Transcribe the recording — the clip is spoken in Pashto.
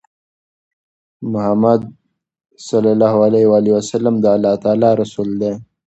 محمد ص د الله تعالی رسول دی.